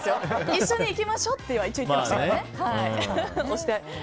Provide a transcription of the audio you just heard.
一緒に行きましょうとは一応言ってましたから。